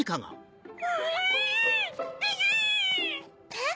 えっ？